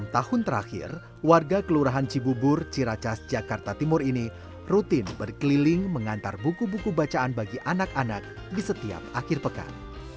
enam tahun terakhir warga kelurahan cibubur ciracas jakarta timur ini rutin berkeliling mengantar buku buku bacaan bagi anak anak di setiap akhir pekan